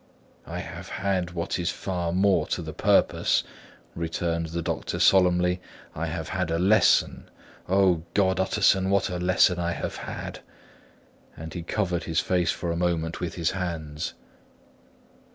"I have had what is far more to the purpose," returned the doctor solemnly: "I have had a lesson—O God, Utterson, what a lesson I have had!" And he covered his face for a moment with his hands.